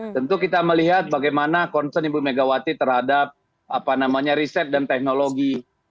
tentu kita melihat bagaimana concern ibu megawati terhadap riset dan teknologi